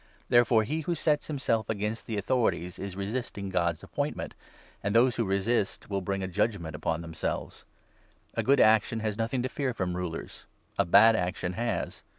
Therefore he who sets himself against the Authori 2 ties is resisting God's appointment, and those who resist will bring a judgement upon themselves. A good action 3 has nothing to fear from Rulers ; a bad action has.